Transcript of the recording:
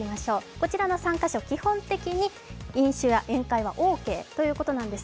こちらの３か所基本的に飲酒や宴会はオーケーということなんです。